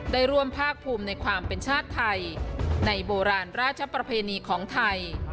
ได้ร่วมภาคภูมิในความเป็นชาติไทยในโบราณราชประเพณีของไทย